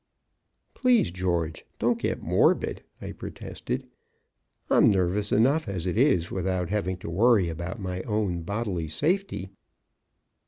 "Please, George, don't get morbid," I protested. "I'm nervous enough as it is, without having to worry about my own bodily safety."